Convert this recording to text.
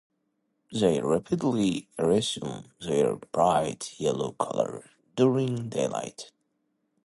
They rapidly resume their bright yellow color during daylight.